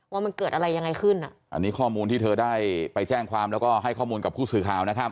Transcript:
ว่ามันเกิดอะไรยังไงขึ้นอ่ะอันนี้ข้อมูลที่เธอได้ไปแจ้งความแล้วก็ให้ข้อมูลกับผู้สื่อข่าวนะครับ